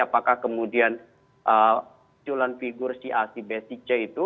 apakah kemudian culan figur si a si b si c itu